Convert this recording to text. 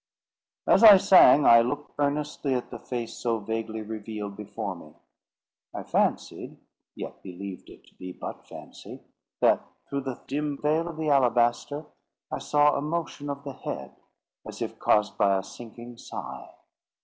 As I sang, I looked earnestly at the face so vaguely revealed before me. I fancied, yet believed it to be but fancy, that through the dim veil of the alabaster, I saw a motion of the head as if caused by a sinking sigh.